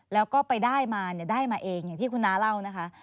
แล้วก็ไปได้มาเนี่ยได้มาเองอย่างที่คุณน้าเล่านะคะ